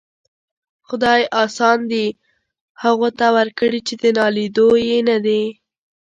خداىه! آسان دي هغو ته ورکړي چې د ناليدو يې ندې.